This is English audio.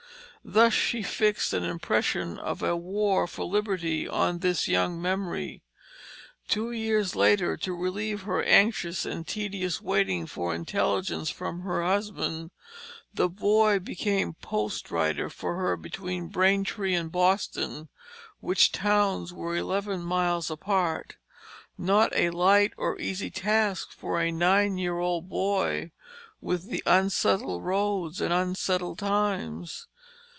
Thus she fixed an impression of a war for liberty on his young memory. Two years later, to relieve her anxious and tedious waiting for intelligence from her husband, the boy became "post rider" for her between Braintree and Boston, which towns were eleven miles apart not a light or easy task, for the nine year old boy with the unsettled roads and unsettled times.